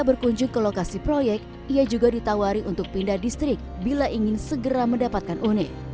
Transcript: berkunjung ke lokasi proyek ia juga ditawari untuk pindah distrik bila ingin segera mendapatkan une